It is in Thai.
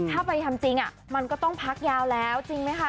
ถ้าไปทำจริงมันก็ต้องพักยาวแล้วจริงไหมคะ